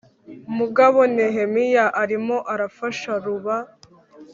Mugabo nehemiya arimo arafasha ruba